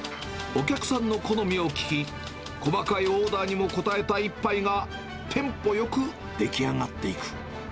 お客さんの好みを聞き、細かいオーダーにも応えた一杯が、テンポよく出来上がっていく。